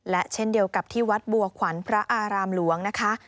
และเช่นเดียวกับที่วัดบัวขวัญพระอารามหลวงนะคะ